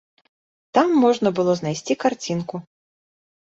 Там можна было знайсці карцінку.